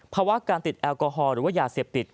ภาวะการติดแอลกอฮอลหรือว่ายาเสพติด